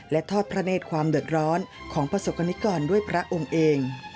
และทอดพระเนธความเดือดร้อนของประสบกรณิกรด้วยพระองค์เอง